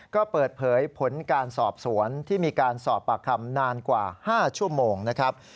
ก็เปิดเผยผลการสอบสวนที่มีการสอบปากคำนานกว่า๕ชั่วโมงนะครับ